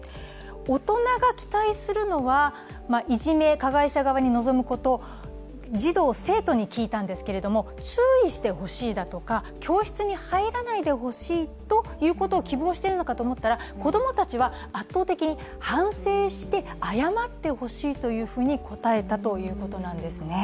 大人が期待するのはいじめ、加害者側に望むことを児童・生徒に聞いたんですけれども、注意してほしいだとか、教室に入らないでほしいということを希望しているのかと思ったら子供たちは圧倒的に、反省して謝ってほしいというふうに答えたということなんですね。